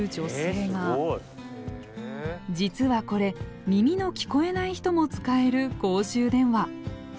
実はこれ耳の聞こえない人も使える公衆電話。